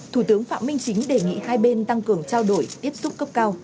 thủ tướng phạm minh chính đề nghị hai bên tăng cường trao đổi tiếp xúc cấp cao